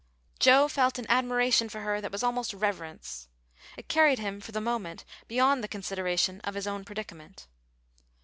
Joe felt an admiration for her that was almost reverence. It carried him for the moment beyond the consideration of his own predicament.